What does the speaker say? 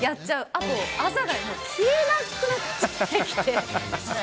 あと、あざが消えなくなってきて。